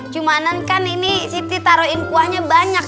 cumanan kan ini siti taruhin kuahnya banyak